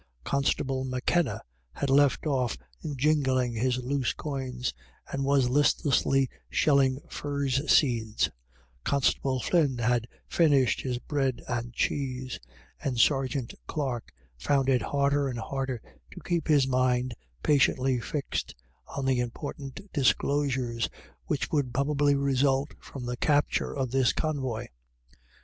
Constable M'Kenna had left off jingling his loose coins, and was listlessly shelling furze seeds ; Constable Flynn had finished his bread and cheese ; and Sergeant Clarke found it harder and harder to keep his mind patiently fixed on the important disclosures which would probably result from the capture of this convoy.